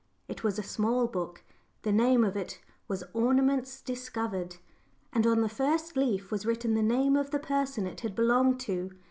It was a small book; the name of it was Ornaments Discovered, and on the first leaf was written the name of the person it had belonged to.